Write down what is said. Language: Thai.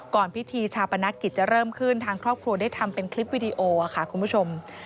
พิธีชาปนกิจจะเริ่มขึ้นทางครอบครัวได้ทำเป็นคลิปวิดีโอค่ะคุณผู้ชม